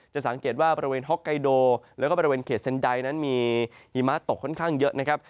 จะสังเกตว่าบริเวณฮอกไกโดแล้วก็บริเวณเขตเซ็นไดนั้นมีหิมะตกค่อนข้างเยอะนะครับ